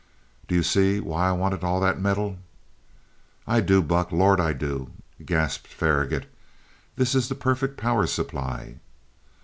"Do you see why I wanted all that metal?" "I do, Buck Lord, I do," gasped Faragaut. "That is the perfect power supply."